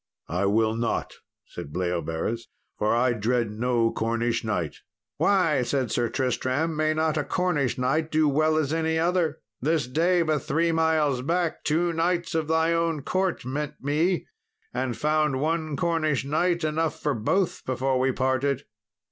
"I will not," said Bleoberis, "for I dread no Cornish knight." "Why," said Sir Tristram, "may not a Cornish knight do well as any other? This day, but three miles back, two knights of thy own court met me, and found one Cornish knight enough for both before we parted."